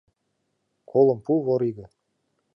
Колым пу, вор иге!..